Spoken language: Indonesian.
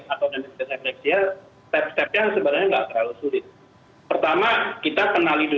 atau dengan demikian enfleksia